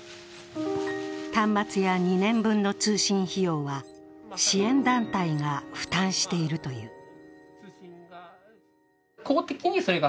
端末や２年分の通信費用は支援団体が負担しているという。